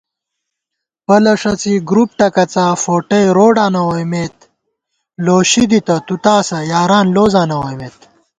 پَلہ ݭڅِی گۡروپ ٹکَڅا ، فوٹَئ روڈاں نہ ووئیمېت * لوشی دِتہ تُو تاسہ یاران لوزاں نہ ووئیمېت